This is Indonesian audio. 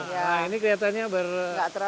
nah ini kelihatannya berompak ompak